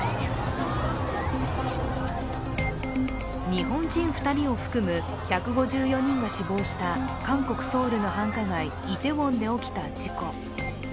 日本人２人を含む１５４人が死亡した韓国ソウルの繁華街イテウォンで起きた事故。